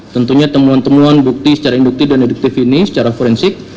tentunya temuan temuan bukti secara induktif dan deduktif ini secara forensik